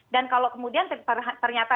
dan kalau kemudian ternyata